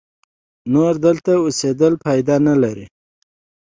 نور دلته اوسېدل پایده نه لري.